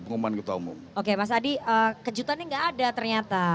oke mas adi kejutannya tidak ada ternyata